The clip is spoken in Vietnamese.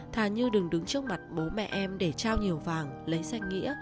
thà như đừng đứng trước mặt bố mẹ em để trao nhiều vàng